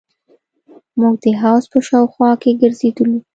موږ د حوض په شاوخوا کښې ګرځېدلو.